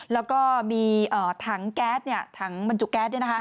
แล้วก็มีถังแก๊สถังบรรจุแก๊ส